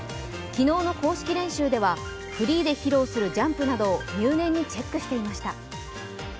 昨日の公式練習では、フリーで披露するジャンプなどを入念にチェックしていました。